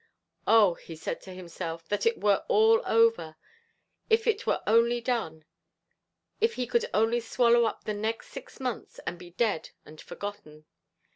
Oh! he said to himself, that it were all over if it were only done if he could only swallow up the next six months and be dead and forgotten!